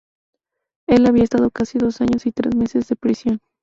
Él había estado casi dos años y tres meses de prisión.